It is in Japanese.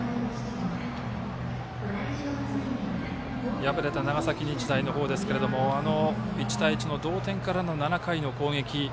敗れた長崎日大の方ですが１対１の同点からの７回の攻撃。